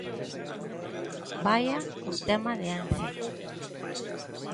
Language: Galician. Vaia ao tema de Ence.